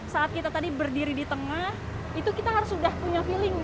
saat kita tadi berdiri di tengah itu kita harus sudah punya feeling